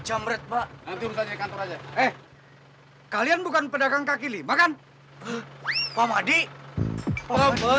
tidak ada orang yang membunuh diri